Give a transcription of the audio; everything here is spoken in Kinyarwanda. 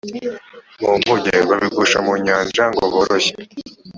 mu nkuge babijugunya mu nyanja ngo boroshye